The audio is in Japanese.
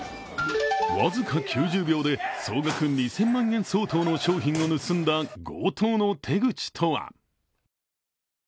僅か９０秒で、総額２０００万円相当の商品を盗んだ強盗の手口とは？